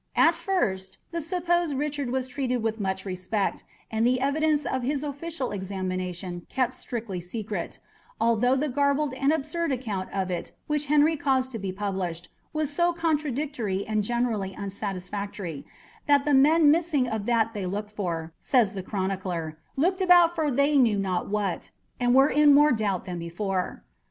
At first the supposed Richard was treated with much respect, and the evidence of his official examination kept strictly secret; although the garbled and absurd account of it which Henry caused to be published was so contradictory and generally unsatisfactory, that "men missing of that they looked for," says the chronicler, "looked about for they knew not what, and were in more doubt than before."